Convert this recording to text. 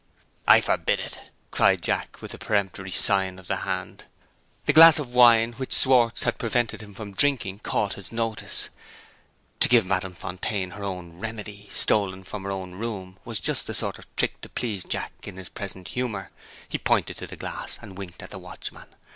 "I forbid it!" cried Jack, with a peremptory sign of the hand. "Drinkable gold is for us not for her!" The glass of wine which Schwartz had prevented him from drinking caught his notice. To give Madame Fontaine her own "remedy," stolen from her own room, was just the sort of trick to please Jack in his present humor. He pointed to the glass, and winked at the watchman.